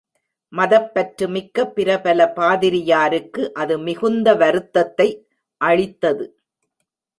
மதப்பற்று மிக்க பிரபல பாதிரியாருக்கு அது மிகுந்த வருத்தத்தை அளித்தது.